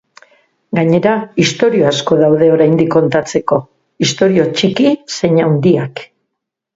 Gainera, istorio asko daude oraindik kontatzeko, istorio txiki zein handiak.